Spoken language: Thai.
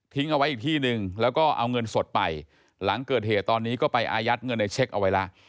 เอาไว้อีกที่หนึ่งแล้วก็เอาเงินสดไปหลังเกิดเหตุตอนนี้ก็ไปอายัดเงินในเช็คเอาไว้แล้ว